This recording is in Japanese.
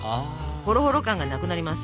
ホロホロ感がなくなります。